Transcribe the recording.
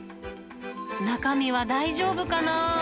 中身は大丈夫かな？